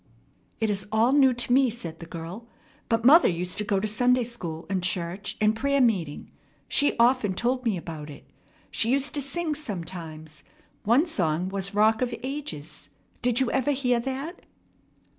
"It is all new to me," said the girl. "But mother used to go to Sunday school and church and prayer meeting. She's often told me about it. She used to sing sometimes. One song was 'Rock of Ages.' Did you ever hear that?